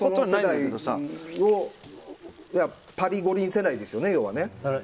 パリ五輪世代ですよね。